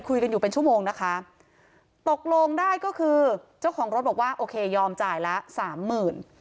คุยกันอยู่เป็นชั่วโมงนะคะตกลงได้ก็คือเจ้าของรถบอกว่าโอเคยอมจ่ายละสามหมื่น